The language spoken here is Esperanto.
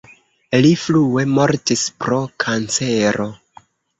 Li frue mortis pro kancero.